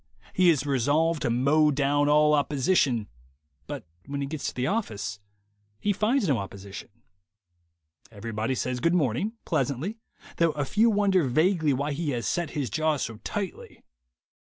He is resolved to mow down all opposition, but when he gets to the office he finds no opposition. Everybody says Good Morn ing, pleasantly, though a few wonder vaguely why he has set his jaw so tightly.